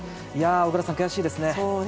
小椋さん、悔しいですね。